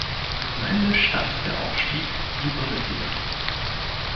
Am Ende stand der Aufstieg in die Bundesliga.